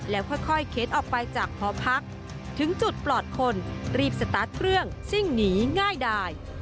แล้วค่อยเค้นออกไปจากหอพักถึงจุดปลอดคนรีบสตาร์ทเครื่องซิ่งหนีง่ายดาย